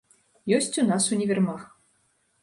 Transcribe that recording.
Ёсць у нас універмаг.